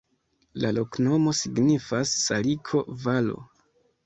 La loknomo signifas: saliko-valo.